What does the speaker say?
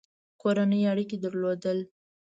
کورني اړیکي درلودل.